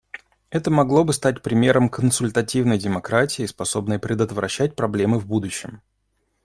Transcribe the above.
Это могло бы стать примером консультативной демократии, способной предотвращать проблемы в будущем.